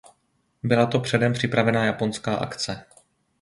Byla to předem připravená japonská akce.